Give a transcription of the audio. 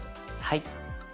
はい。